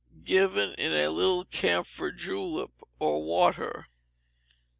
Give in a little camphor julep, or water.